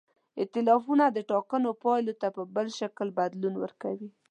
ایتلافونه د ټاکنو پایلو ته په بل شکل بدلون ورکوي.